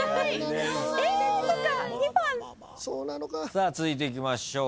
さあ続いていきましょう。